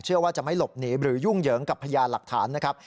เชื่อว่าจะไม่หลบหนีหรือยุ่งเหยิงกับพยานหลักฐานนะครับ